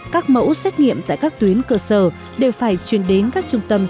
các mẫu xét nghiệm tại các tuyến cơ sở đều phải chuyển đến các trung tâm